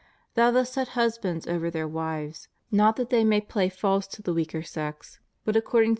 Thou dost set husbands over their wives, not that they may play false to the weaker sex, but according to the * Sacr.